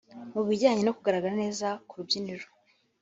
Mu bijyanye no kugaragara neza ku rubyiniro